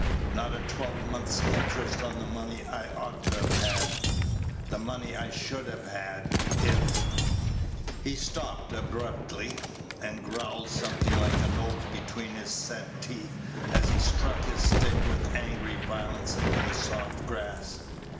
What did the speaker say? Not a twelvemonth's interest on the money I ought to have had the money I should have had, if " He stopped abruptly, and growled something like an oath between his set teeth as he struck his stick with angry violence into the soft grass.